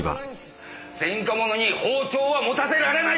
前科者に包丁は持たせられない！